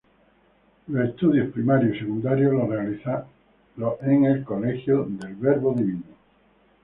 Los estudios primarios y secundarios los realiza en el Colegio del Verbo Divino.